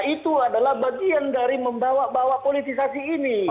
itu adalah bagian dari membawa bawa politisasi ini